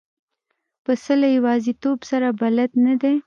پسه له یوازیتوب سره بلد نه دی.